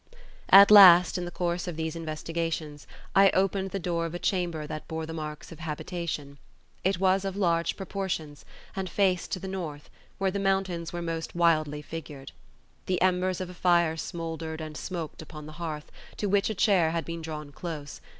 At last, in the course of these investigations, I opened the door of a chamber that bore the marks of habitation. It was of large proportions and faced to the north, where the mountains were most wildly figured. The embers of a fire smouldered and smoked upon the hearth, to which a chair had been drawn close.